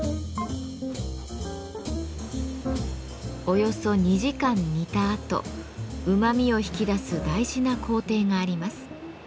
およそ２時間煮たあとうまみを引き出す大事な工程があります。